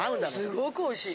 すごくおいしい。